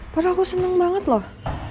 padahal aku senang banget loh